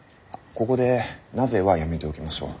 ここで「なぜ」はやめておきましょう。